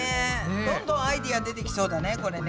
どんどんアイデア出てきそうだねこれね。